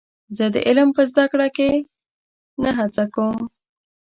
زه د علم په زده کړه کې نه هڅه کوم.